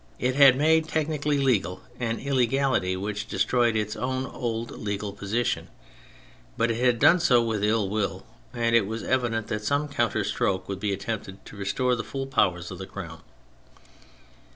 It had made technically legal an illegality which destroyed its own old legal position, but it had done so with ill will, and it was evident that some counter stroke would be attempted to restore the full powers of the Crown.